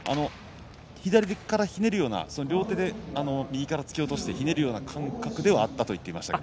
左からひねるような両手で右から突き落としてひねるような感覚ではあったと言ってました。